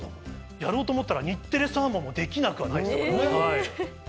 やろうと思えば、日テレサーモンもできなくないです。